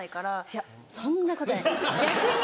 いやそんなことない逆に。